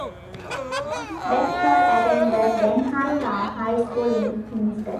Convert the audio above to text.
Beckford attended Denham Town High School in Kingston.